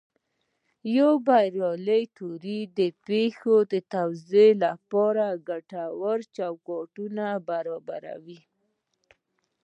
یوه بریالۍ تیوري د پېښو توضیح لپاره ګټور چوکاټ برابروي.